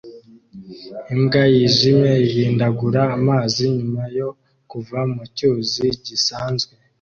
Imbwa yijimye ihindagura amazi nyuma yo kuva mu cyuzi gisanzwe